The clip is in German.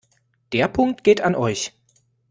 Der Punkt geht an euch.